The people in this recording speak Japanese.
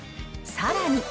さらに。